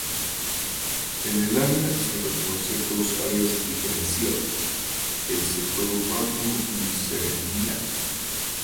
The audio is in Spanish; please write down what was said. En el área se reconoce dos áreas diferenciadas: el sector urbano y ceremonial.